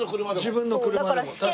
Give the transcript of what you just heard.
自分の車でも確か。